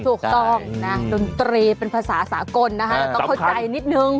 ถูกต้องนะดนตรีเป็นภาษาสากลนะคะเราต้องเข้าใจนิดนึง